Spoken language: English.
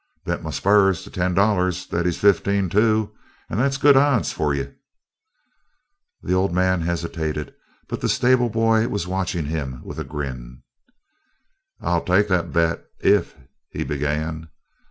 "Bet my spurs to ten dollars that he's fifteen two; and that's good odds for you." The old man hesitated; but the stable boy was watching him with a grin. "I'll take that bet if " he began.